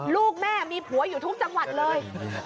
ลูกแม่มีผัวอยู่ทุกจังหวัดเลย